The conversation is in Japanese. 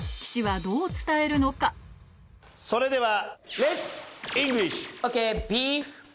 それでは。